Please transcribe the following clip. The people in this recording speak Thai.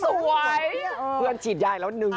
สวยเพื่อนจีดยายแล้ว๑๒